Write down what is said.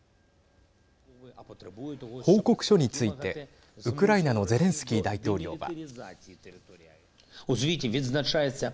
報告書についてウクライナのゼレンスキー大統領は。